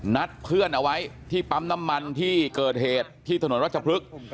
นัดเพื่อนเอาไว้ที่ปั๊มน้ำมันที่เกิดเหตุที่ถนนรัชพฤกษ์